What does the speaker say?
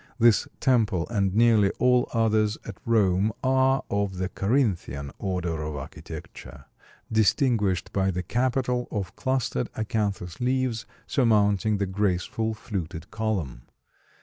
This temple and nearly all others at Rome are of the Corinthian order of architecture, distinguished by the capital of clustered acanthus leaves surmounting the graceful fluted column.